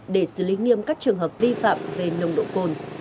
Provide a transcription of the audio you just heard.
để xử lý nghiêm các trường hợp vi phạm về nồng độ cồn